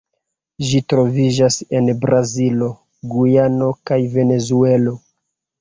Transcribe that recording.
Ĝi troviĝas en Brazilo, Gujano kaj Venezuelo.